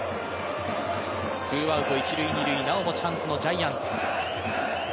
ツーアウト一塁・二塁、なおもチャンスのジャイアンツ。